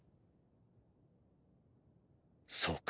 そうか。